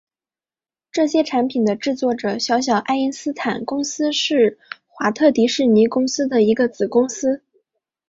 这些产品的制作者小小爱因斯坦公司是华特迪士尼公司的一个子公司。